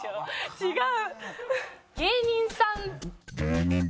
違う？